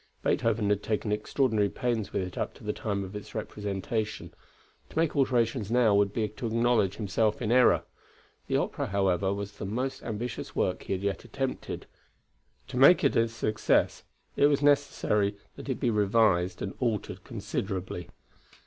Beethoven had taken extraordinary pains with it up to the time of its representation. To make alterations now would be to acknowledge himself in error. The opera, however, was the most ambitious work he had yet attempted; to make it a success it was necessary that it be revised and altered considerably.